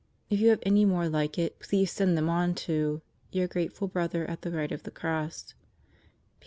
If you have any more like it, please send them on to Your grateful brother at the right of the Cross.